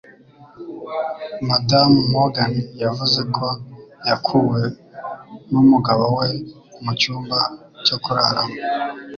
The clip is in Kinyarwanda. Madamu Morgan yavuze ko yakuwe n'umugabo we mu cyumba cyo kuraramo